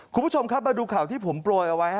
คุณผู้ชมครับมาดูข่าวที่ผมโปรยเอาไว้